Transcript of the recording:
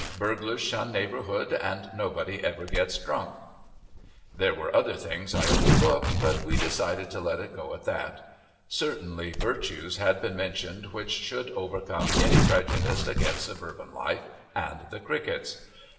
Burglars shun neighborhood and nobody ever gets drunk. There were other things I overlooked, but we decided to let it go at that. Certainly virtues had been mentioned which should overcome any prejudice against suburban life and the crickets.